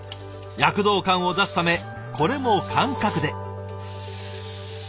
躍動感を出すためこれも感覚で。